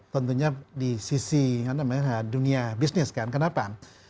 tentunya di sisi dunia bisnis kan kenapa